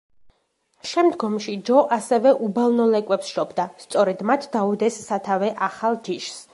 შემდგომში ჯო ასევე უბალნო ლეკვებს შობდა, სწორედ მათ დაუდეს სათავე ახალ ჯიშს.